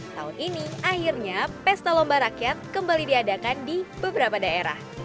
tahun ini akhirnya pesta lomba rakyat kembali diadakan di beberapa daerah